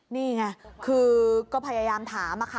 นี่ไงคือก็พยายามถามอะค่ะ